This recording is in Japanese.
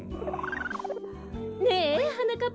ねえはなかっぱ。